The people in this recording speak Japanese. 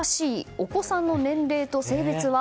お子さんの年齢と性別は？